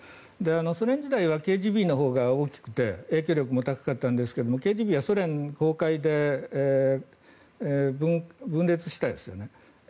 ソ連時代はＫＧＢのほうが大きくて影響力も高かったんですがＫＧＢはソ連崩壊で分裂したですよね。